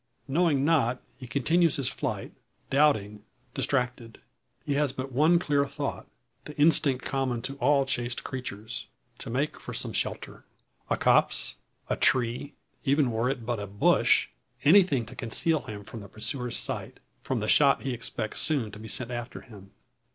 Knowing not, he continues his flight, doubting, distracted. He has but one clear thought, the instinct common to all chased creatures to make for some shelter. A copse, a tree, even were it but a bush, anything to conceal him from the pursuer's sight from the shot he expects soon to be sent after him.